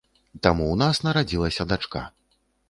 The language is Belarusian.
Там у нас нарадзілася дачка.